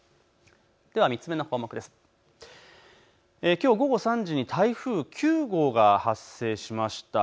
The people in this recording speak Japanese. ３つ目の項目、きょう午後３時に台風９号が発生しました。